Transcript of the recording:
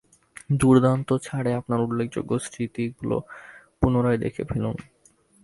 দুর্দান্ত ছাড়ে আপনার উল্লেখযোগ্য স্মৃতিগুলো পুনরায় দেখে ফেলুন।